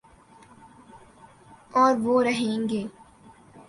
اوروہ رہیں گے